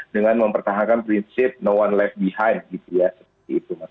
dengan mempertahankan prinsip no one left behind gitu ya seperti itu mas